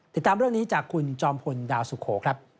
ติดตามเรื่องนี้จากคุณจอมพลดาวสุโขครับ